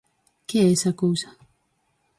Que é esa cousa?